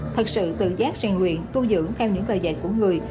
thật sự tự giác rèn luyện tu dưỡng theo những lời dạy của người